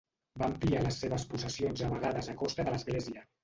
Va ampliar les seves possessions a vegades a costa de l'Església.